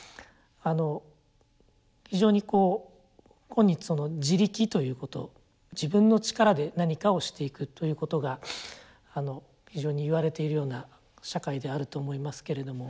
非常にこう今日その「自力」ということ自分の力で何かをしていくということが非常に言われているような社会であると思いますけれども。